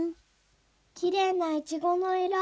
きれいなイチゴの色。